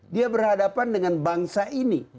dia berhadapan dengan bangsa ini